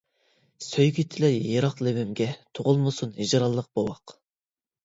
سۆيگۈ تىلەي يېرىق لېۋىمگە، تۇغۇلمىسۇن ھىجرانلىق بوۋاق.